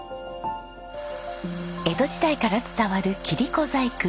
江戸時代から伝わる切子細工。